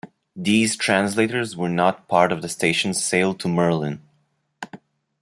These translators were not part of the station's sale to Merlin.